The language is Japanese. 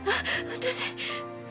私。